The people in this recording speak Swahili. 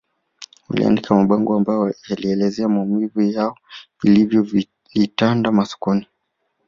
Waliandika mabango ambayo yalielezea maumivu yao vilio vilitanda masokoni